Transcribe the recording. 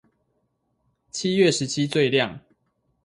七月十七最亮